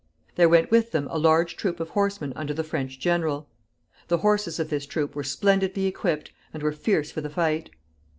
There went with them a large troop of horsemen under the French general. The horses of this troop were splendidly equipped, and were fierce for the fight.